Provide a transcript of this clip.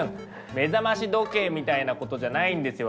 目覚まし時計みたいなことじゃないんですよ